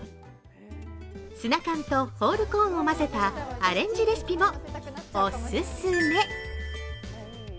ツナ缶とホールコーンを混ぜたアレンジレシピもお勧め。